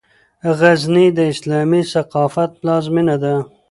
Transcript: غزني د اسلامي ثقافت پلازمېنه